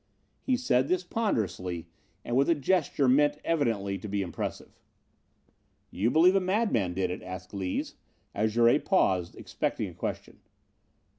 He said this ponderously and with a gesture meant evidently to be impressive. "You believe a madman did it?" asked Lees, as Jouret paused, expecting a question.